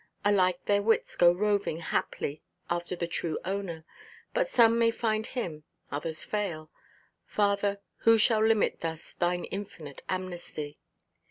Alike their wits go roving haply after the true Owner, but some may find Him, others fail—Father, who shall limit thus Thine infinite amnesty?